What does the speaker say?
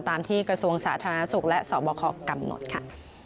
ตามที่กระทรวงสาธารณสุขและสบคกำหนดค่ะ